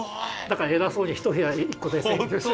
だから偉そうに１部屋１個で占領してます。